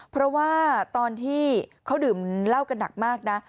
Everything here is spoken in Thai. เพราะว่าตอนที่เขาดื่มเหล้ากันหนักมากนะ